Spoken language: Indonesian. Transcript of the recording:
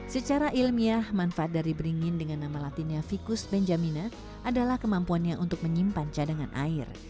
secara ilmiah manfaat dari beringin dengan nama latinnya ficus benjaminan adalah kemampuannya untuk menyimpan cadangan air